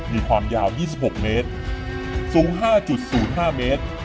มีความยาว๒๖เมตรสูง๕๐๕เมตร